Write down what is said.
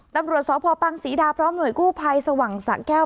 ตำรวจสพปังศรีดาพร้อมหน่วยกู้ภัยสว่างสะแก้ว